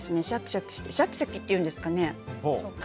シャキシャキって言うんですかね。